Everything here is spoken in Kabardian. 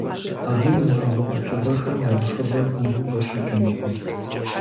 Абы унагъуэ къэкӀыгъэхэм я нэхъыбэр Ӏуву къыщыкӀынукъым.